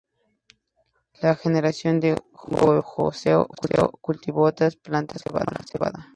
La gente de Gojoseon cultivó otras plantas como la cebada.